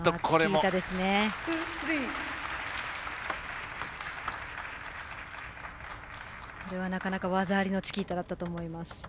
これは、なかなか技ありのチキータだったと思います。